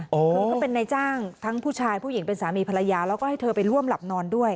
คือก็เป็นในจ้างทั้งผู้ชายผู้หญิงเป็นสามีภรรยาแล้วก็ให้เธอไปร่วมหลับนอนด้วย